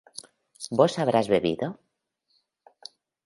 ¿vos habrás bebido?